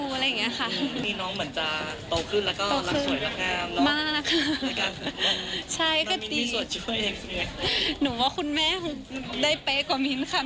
น้องเหมือนจะโตขึ้นหรอกแล้วก็ถูกสวยหนังงาม